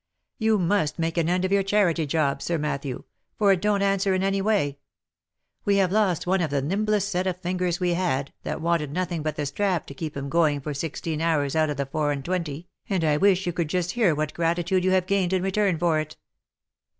You must make an end of your charity job, Sir Matthew, for it don't answer in any way : we have lost one of the nimblest set of fingers we had, that wanted nothing but the strap to keep 'em going for sixteen hours out of the four and twenty, and I wish you could just hear what gratitude you have gained in return for it.